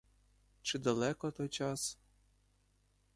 Чи далеко той час?